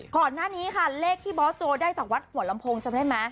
ก่อนหน้านี้ค่ะเลขที่บอสโจได้จากวัดหัวลำโพงจำได้ไหม